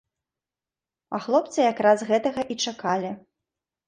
А хлопцы як раз гэтага і чакалі.